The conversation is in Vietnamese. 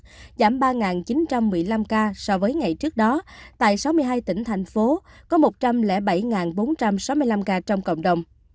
bình định thanh hóa và vĩnh phúc bổ sung hơn sáu mươi bảy chín trăm một mươi năm ca so với ngày trước đó tại sáu mươi hai tỉnh thành phố có một trăm linh bảy bốn trăm sáu mươi năm ca trong cộng đồng